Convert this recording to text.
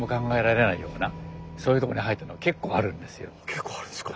結構あるんですか。